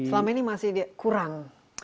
selama ini masih kurang